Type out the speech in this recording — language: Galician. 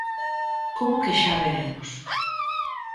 Como que xa veremos?